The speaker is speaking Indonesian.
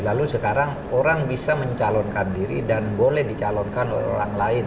lalu sekarang orang bisa mencalonkan diri dan boleh dicalonkan oleh orang lain